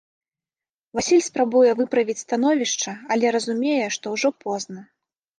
Васіль спрабуе выправіць становішча, але разумее, што ўжо позна.